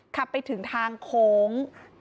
ขับไปถึงทางโค้ง